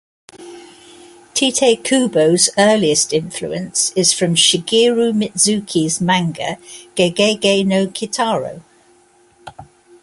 Tite Kubo's earliest influence is from Shigeru Mizuki's manga "Gegege no Kitaro".